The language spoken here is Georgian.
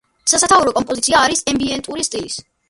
სასათაურო კომპოზიცია არის ემბიენტური სტილის.